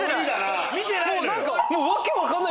見てない。